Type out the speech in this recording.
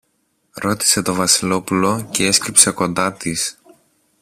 ρώτησε το Βασιλόπουλο κι έσκυψε κοντά της.